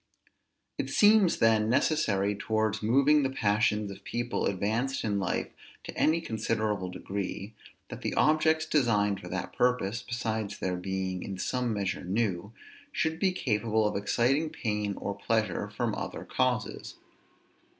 It seems, then, necessary towards moving the passions of people advanced in life to any considerable degree, that the objects designed for that purpose, besides their being in some measure new, should be capable of exciting pain or pleasure from other causes.